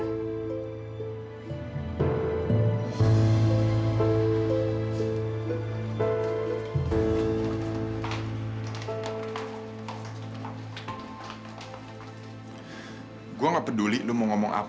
kenapa kamu tidak ingin lihat